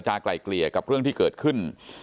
สวัสดีครับทุกคน